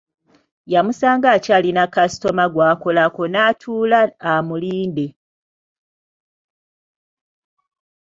Yamusanga akyalina kasitoma gw'akolako, n'atuula amulindde.